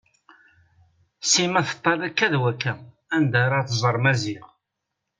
Sima teṭṭal akka d wakka anda ara tẓer Maziɣ.